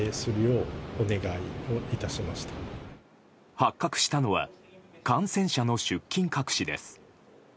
発覚したのは感染者の出勤隠しです。